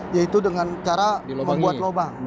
yaitu dengan cara membuat lubang